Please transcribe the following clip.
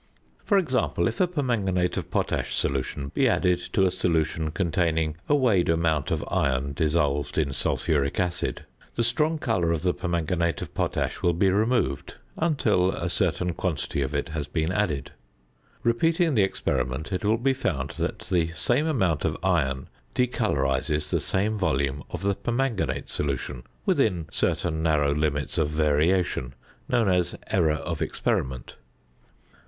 For example, if a permanganate of potash solution be added to a solution containing a weighed amount of iron, dissolved in sulphuric acid, the strong colour of the permanganate of potash will be removed until a certain quantity of it has been added. Repeating the experiment, it will be found that the same amount of iron decolorises the same volume of the permanganate solution within certain narrow limits of variation, known as "error of experiment."